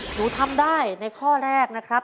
หนูทำได้ในข้อแรกนะครับ